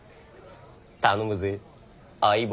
頼むぜ相棒。